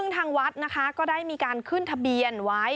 ทางวัดก็ได้ขึ้นทะเบียนไว้